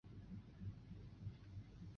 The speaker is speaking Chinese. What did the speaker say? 众议院是立法的主要机关。